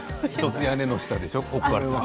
１つ屋根の下でしょう？